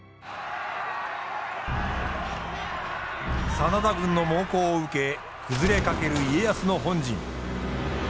真田軍の猛攻を受け崩れかける家康の本陣。